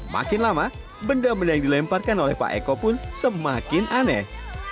makin lama benda benda yang dilemparkan oleh pak eko pun semakin aneh